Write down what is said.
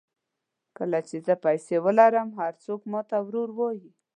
کله چې زه پیسې ولرم هر څوک ماته ورور وایي.